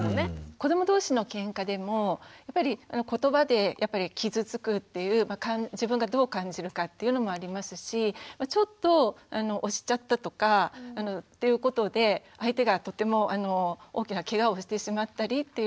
子ども同士のケンカでも言葉でやっぱり傷つくっていう自分がどう感じるかっていうのもありますしちょっと押しちゃったとかっていうことで相手がとても大きなケガをしてしまったりっていうようなことがありますし。